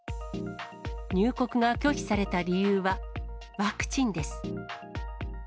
入国が拒否された理由は、ワクチンです。